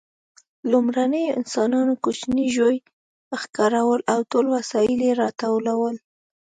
لومړنیو انسانانو کوچني ژوي ښکارول او ټول وسایل یې راټولول.